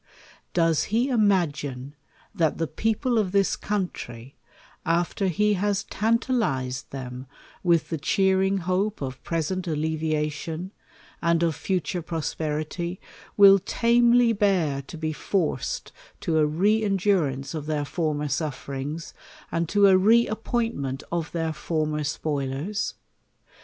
Does he imagine, that the people of this country,^ after he has tantalized them with the cheering hope of present alleviation, and of futnre prosperity, will tamely bear to be forced to a rc endurance of their former sufferings, and to a re appointment of their former spoilers?